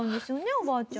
おばあちゃん。